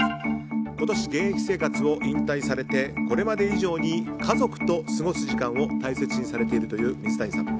今年、現役生活を引退されてこれまで以上に家族と過ごす時間を大切にされているという水谷さん。